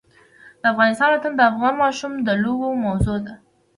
د افغانستان ولايتونه د افغان ماشومانو د لوبو موضوع ده.